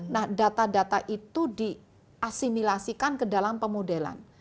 nah data data itu di asimilasikan ke dalam pemodela